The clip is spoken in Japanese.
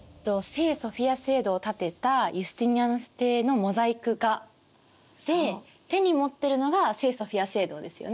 聖ソフィア聖堂を建てたユスティニアヌス帝のモザイク画で手に持ってるのが聖ソフィア聖堂ですよね。